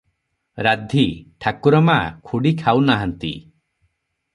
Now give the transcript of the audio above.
ରାଧୀ - ଠାକୁର ମା, ଖୁଡ଼ି ଖାଉ ନାହାନ୍ତି ।